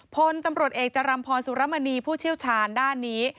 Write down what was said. พลตำรวจเอกจรัมพรสุรมณีผู้เชี่ยวชาญด้านนี้